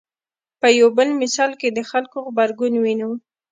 په یو بل مثال کې د خلکو غبرګون وینو.